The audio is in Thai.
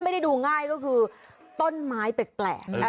ไม่ได้ดูง่ายก็คือต้นไม้แปลก